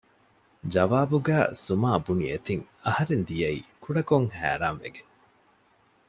ޖަވާބުގައި ސުމާބުނިއެތިން އަހަރެން ދިޔައީ ކުޑަކޮށް ހައިރާން ވެގެން